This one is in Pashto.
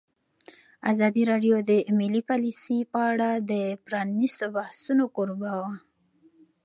ازادي راډیو د مالي پالیسي په اړه د پرانیستو بحثونو کوربه وه.